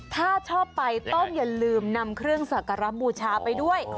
ถ้าชอบไปต้องอย่าลืมนำเครื่องสักการะบูชาไปด้วย